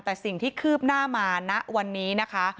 แต่สิ่งที่คืบหน้ามาณวันนี้นะคะ